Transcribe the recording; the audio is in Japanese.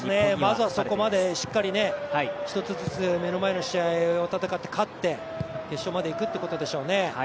まずはそこをしっかりと一つずつ、目の前の試合を戦って勝って決勝までいくということでしょうね。